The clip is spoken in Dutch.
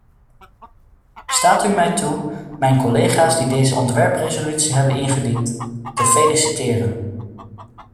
Staat u mij toe mijn collega's die deze ontwerpresolutie hebben ingediend, te feliciteren.